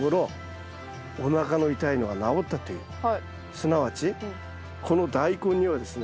すなわちこのダイコンにはですね